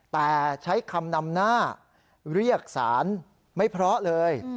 แต่ใช้คำนำหน้าเรียกสารไม่เพราะเลย